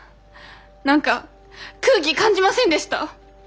何か空気感じませんでした？